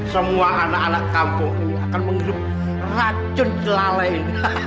semua anak anak kampung ini akan menghirup racun kelalai ini